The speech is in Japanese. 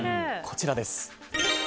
こちらです。